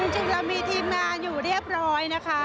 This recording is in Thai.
จริงเรามีทีมงานอยู่เรียบร้อยนะคะ